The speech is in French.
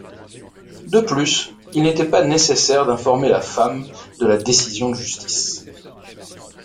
De plus, ils n’étaient pas nécessaire d’informer la femme de la décision de justice.